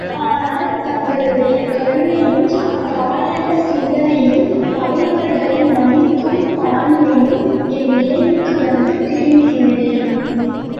ஆனால், தங்களுடைய கருணையும், தயாள சிந்தையும், பகைவர்களை மன்னிக்கும் பான்மையும் என் நினைவுக்கு வந்து, திரும்பியுள்ளேன்.